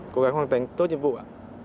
cố gắng hoàn thành tốt nhiệm vụ ạ